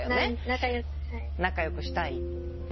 仲よくしたい。